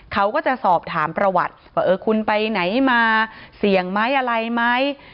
เขาก็จะสอบถามประวัติว่าเออคุณไปไหนมาเสี่ยงไหมอะไรไหม